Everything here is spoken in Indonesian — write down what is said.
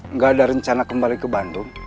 nggak ada rencana kembali ke bandung